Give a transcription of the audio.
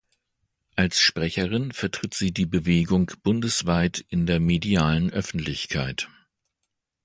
Als Sprecherin vertritt sie die Bewegung bundesweit und in der medialen Öffentlichkeit.